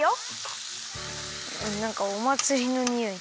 なんかおまつりのにおい。